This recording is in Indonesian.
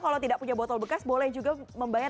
kalau tidak punya botol bekas boleh juga membayar